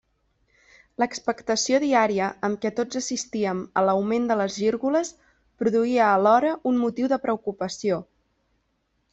L'expectació diària amb què tots assistíem a l'augment de les gírgoles produïa alhora un motiu de preocupació.